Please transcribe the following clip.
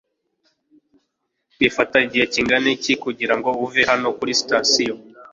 bifata igihe kingana iki kugirango uve hano kuri sitasiyo